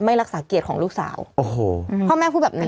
รักษาเกียรติของลูกสาวโอ้โหพ่อแม่พูดแบบนั้น